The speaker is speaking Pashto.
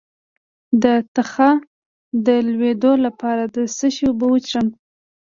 د تخه د لوییدو لپاره د څه شي اوبه وڅښم؟